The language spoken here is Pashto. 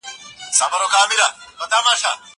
زه به سبا کښېناستل کوم؟